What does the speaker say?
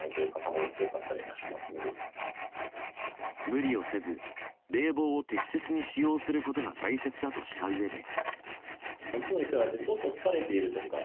無理を得せず冷房を適切に使用することが大切だとしたうえで。